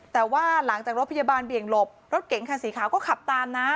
แต่ว่าหลังจากรถพยาบาลเบี่ยงหลบรถเก๋งคันสีขาวก็ขับตามนะ